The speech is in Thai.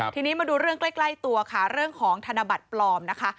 ทีนี้มาดูเรื่องใกล้ตัวค่ะเรื่องของธนบัตรปลอมนะคะ